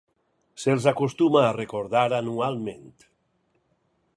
Se'ls acostuma a recordar anualment.